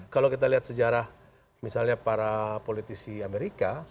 kalau kita lihat sejarah misalnya para politisi amerika